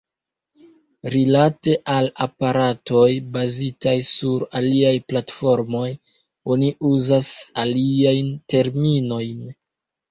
Rilate al aparatoj, bazitaj sur aliaj platformoj, oni uzas aliajn terminojn.